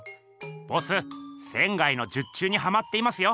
ボス仙の術中にハマっていますよ！